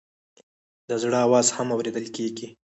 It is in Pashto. د زړه آواز هم اورېدل کېږي.